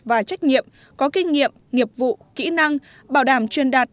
và trách nhiệm có kinh nghiệm nghiệp vụ kỹ năng bảo đảm truyền đạt